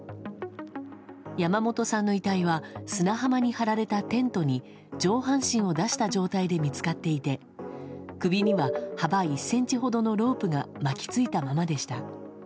山本さんの遺体は砂浜に張られたテントに上半身を出した状態で見つかっていて首には幅１ｃｍほどのロープが巻き付いたままでした。